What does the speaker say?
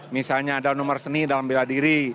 misalnya ada nomor seni dalam bela diri